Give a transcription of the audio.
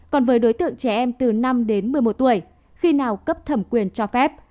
còn với đối tượng trẻ em từ năm đến một mươi một tuổi khi nào cấp thẩm quyền cho phép